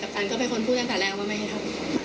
ตันก็เป็นคนพูดตั้งแต่แรกว่าไม่ให้ครับ